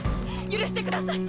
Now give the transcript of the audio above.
許してください！